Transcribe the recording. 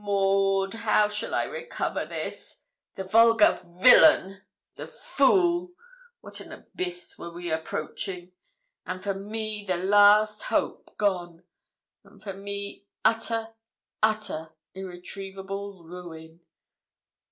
'Maud, how shall I recover this? The vulgar villain the fool! What an abyss were we approaching! and for me the last hope gone and for me utter, utter, irretrievable ruin.'